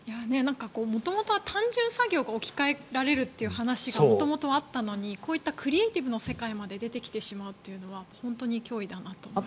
元々は単純作業が置き換えられるという話が元々はあったのにこういったクリエーティブな世界まで出てしまうというのは本当に脅威だなと思います。